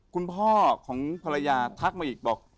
คุณพ่อของภรรยาทักมาอีกบอก